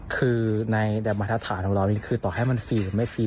คือในบรรทัศน์ของเรานี่คือต่อให้มันฟรีหรือไม่ฟรี